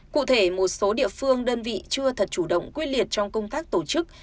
cụ thể một số địa phương đơn vị chưa thật chủ động quyết liệt trong công tác tổ chức